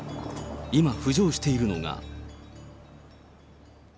今浮上しているのが。